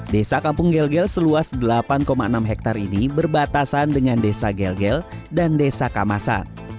desa kampung gel gel seluas delapan enam hektare ini berbatasan dengan desa gel gel dan desa kamasan